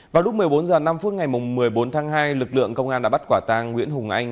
vào lúc một mươi bốn h năm ngày một mươi bốn tháng hai lực lượng công an đã bắt quả tang nguyễn hùng anh